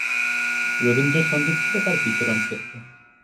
রবীন্দ্র সংগীত ছিল তার বিচরণ ক্ষেত্র।